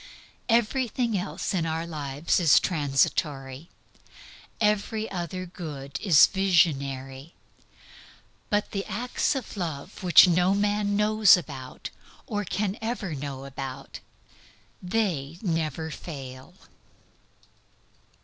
Everything else in all our lives is transitory. Every other good is visionary. But the acts of love which no man knows about, or can ever know about they never fail.